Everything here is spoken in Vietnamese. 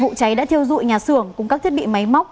vụ cháy đã thiêu dụi nhà xưởng cùng các thiết bị máy móc